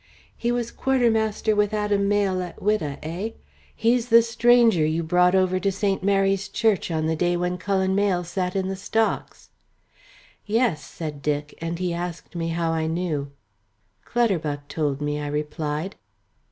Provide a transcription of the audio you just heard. "He was quartermaster with Adam Mayle at Whydah, eh? He is the stranger you brought over to St. Mary's Church on the day when Cullen Mayle sat in the stocks." "Yes," said Dick, and he asked me how I knew. "Clutterbuck told me," I replied.